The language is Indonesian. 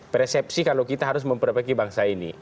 persepsi kalau kita harus memperbaiki bangsa ini